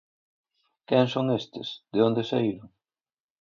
"Quen son estes?", "de onde saíron?".